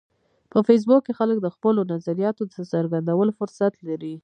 په فېسبوک کې خلک د خپلو نظریاتو د څرګندولو فرصت لري